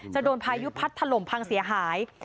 จะโดนพายุพัดถล่มพังเสียหาย